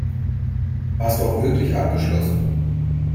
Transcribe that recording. Hast du auch wirklich abgeschlossen?